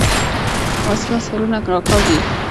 وسله سرونه راکاږي